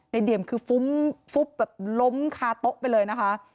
นายเดี่ยมคือล้มคาโต๊ะไปเลยนะคะ